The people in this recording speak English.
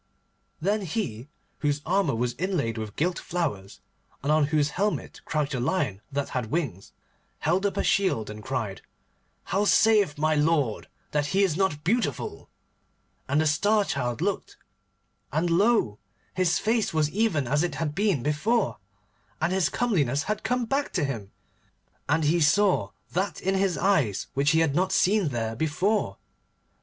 Then he, whose armour was inlaid with gilt flowers, and on whose helmet crouched a lion that had wings, held up a shield, and cried, 'How saith my lord that he is not beautiful?' And the Star Child looked, and lo! his face was even as it had been, and his comeliness had come back to him, and he saw that in his eyes which he had not seen there before.